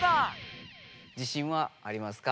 自信はありますか？